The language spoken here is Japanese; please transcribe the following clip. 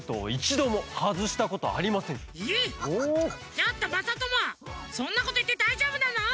ちょっとまさともそんなこといってだいじょうぶなの？